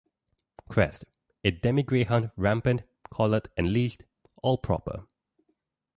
Crest: a demi greyhound rampant, collared and leashed, all proper.